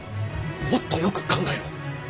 もっとよく考えろ。